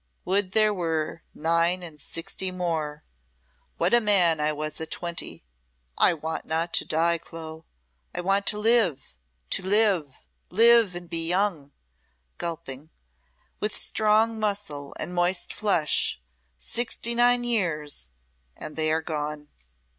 Would there were nine and sixty more. What a man I was at twenty. I want not to die, Clo. I want to live to live live, and be young," gulping, "with strong muscle and moist flesh. Sixty nine years and they are gone!"